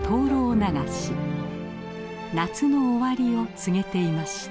夏の終わりを告げていました。